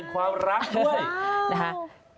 ความรักด้วย